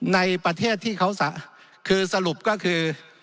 ในประเทศที่เขาคือสรุปก็คือ